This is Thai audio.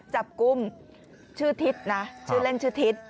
จับกลุ่มชื่อทิศนะชื่อเล่นชื่อทิศ